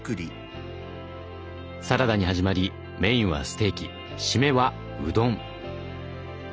サラダに始まりメインはステーキ締めはうどん。